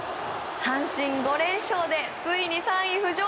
阪神５連勝でついに３位浮上。